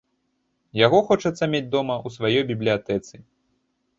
Яго хочацца мець дома, у сваёй бібліятэцы.